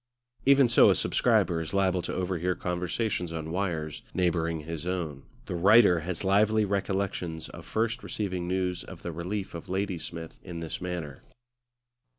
Even so a subscriber is liable to overhear conversations on wires neighbouring his own; the writer has lively recollections of first receiving news of the relief of Ladysmith in this manner.